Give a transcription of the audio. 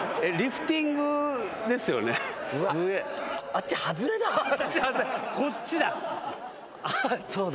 あっち外れだ。